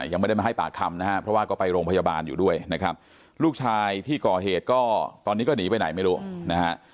ยังไม่ได้มาให้ปากคำนะฮะเพราะว่าก็ไปโรงพยาบาลอยู่ด้วยนะครับลูกชายที่ก่อเหตุก็ตอนนี้ก็หนีไปไหนไม่รู้นะฮะ